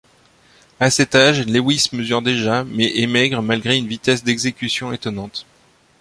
À cet âge, Lewis mesure déjà mais est maigre malgré une vitesse d'exécution étonnante.